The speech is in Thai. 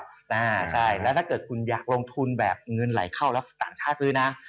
ใช่แล้วถ้าเกิดคุณอยากลงทุนแบบเงินไหลเข้าแล้วต่างชาติซื้อนะ